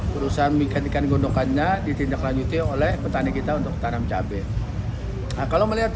perusahaan ikan ikan gondokannya ditindaklanjuti oleh petani kita untuk tanam cabai kalau melihat